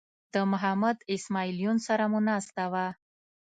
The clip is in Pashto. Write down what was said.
د محمد اسماعیل یون سره مو ناسته وه.